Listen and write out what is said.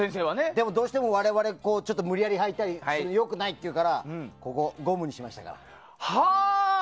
でもどうしても我々は無理やり履いたりするのは良くないっていうからここ、ゴムにしましたから。